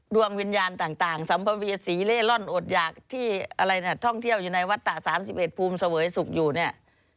ดวงวิญญาณต่างสัมภเวษีเล่ร่อนอดอยากที่อะไรเนี่ยท่องเที่ยวอยู่ในวัดตะ๓๑ภูมิเสวยสุขอยู่เนี่ย